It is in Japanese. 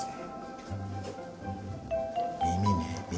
耳ね耳。